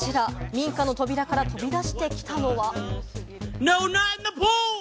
民家の扉から飛び出してきたのは。